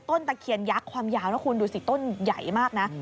ตะเคียนยักษ์ความยาวนะคุณดูสิต้นใหญ่มากนะ